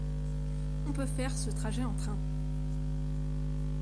On peut faire ce trajet en train.